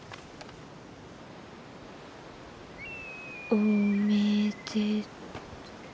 おめでと。